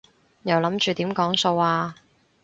又諗住點講數啊？